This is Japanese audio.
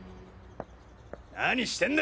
何してんだ？